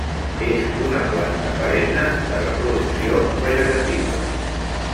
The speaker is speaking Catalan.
És una planta perenne de reproducció vegetativa.